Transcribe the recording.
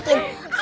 satu dua tiga